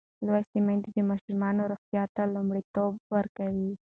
لوستې میندې د ماشوم روغتیا ته لومړیتوب ورکوي.